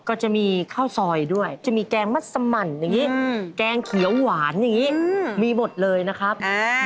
ก็จะมีข้าวซอยด้วยจะมีแกงมัสมันอย่างนี้แกงเขียวหวานอย่างนี้มีหมดเลยนะครับ